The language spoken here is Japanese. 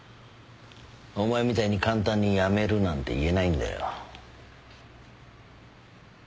お前みたいに簡単に辞めるなんて言えないんだよ。